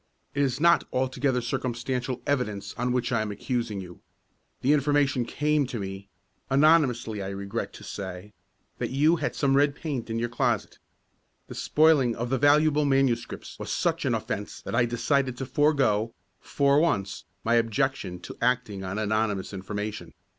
It is not altogether circumstantial evidence on which I am accusing you. The information came to me anonymously I regret to say that you had some red paint in your closet. The spoiling of the valuable manuscripts was such an offence that I decided to forego, for once, my objection to acting on anonymous information.